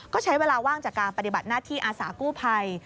ก็ใช้เวลาว่างจากการปฏิบัติหน้าที่อาสากู้ภัย